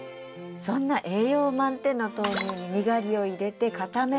そんな栄養満点の豆乳ににがりを入れて固めたのが豆腐。